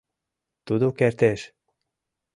Тудо кертеш.